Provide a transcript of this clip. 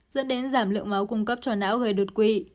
dẫn đến giảm lượng máu cung cấp cho não gây đột quỵ